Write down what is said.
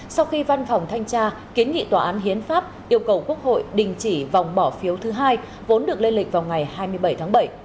sau khi văn phòng thanh tra kiến nghị tòa án hiến pháp yêu cầu quốc hội đình chỉ vòng bỏ phiếu thứ hai vốn được lên lịch vào ngày hai mươi bảy tháng bảy